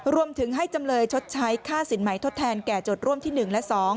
รวมถึงให้จำเลยชดใช้ค่าสินใหม่ทดแทนแก่โจทย์ร่วมที่๑และ๒